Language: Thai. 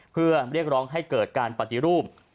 เพื่อเรียกร้องให้เกิดการปฏิรูป